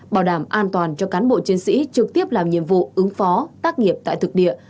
bảo đảm an toàn cho cán bộ chiến sĩ trực tiếp làm nhiệm vụ ứng phó tác nghiệp tại thực địa